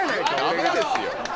ダメですよ。